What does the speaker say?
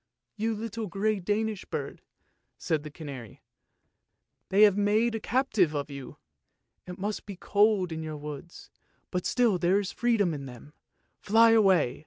"" You little grey Danish bird," said the canary, " they have made a captive of you too ! It must be cold in your woods, but still there is freedom in them. Fly away!